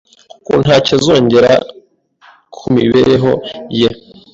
kuko ntacyo azongera ku miibereho ye